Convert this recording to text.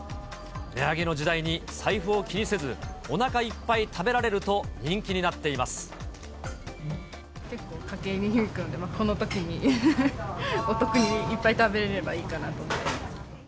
値上げの時代に財布を気にせず、おなかいっぱい食べられると人気結構家計に響くので、このときにお得にいっぱい食べられればいいかなと思いました。